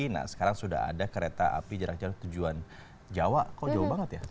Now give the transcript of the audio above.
nah sekarang sudah ada kereta api jarak jauh tujuan jawa kok jauh banget ya